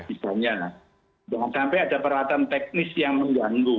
misalnya jangan sampai ada peralatan teknis yang mengganggu